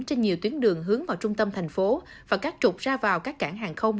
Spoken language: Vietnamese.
trên nhiều tuyến đường hướng vào trung tâm thành phố và các trục ra vào các cảng hàng không